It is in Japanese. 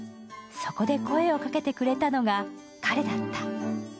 そこで声をかけてくれたのが、彼だった。